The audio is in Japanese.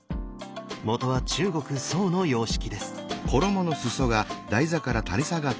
元は中国・宋の様式です。